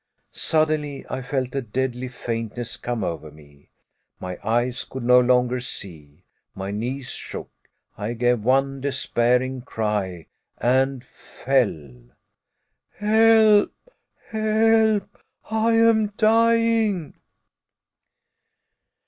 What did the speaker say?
Suddenly I felt a deadly faintness come over me. My eyes could no longer see; my knees shook. I gave one despairing cry and fell! "Help, help, I am dying!"